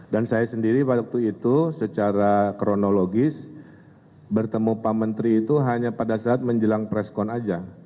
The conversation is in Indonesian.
dan saya sendiri waktu itu secara kronologis bertemu pak menteri itu hanya pada saat menjelang preskon aja